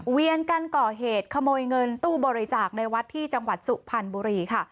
เวียนกันก่อเหตุขโมยเงินตู้บริจาคในวัดที่จังหวัดสุพรรณบุรีค่ะ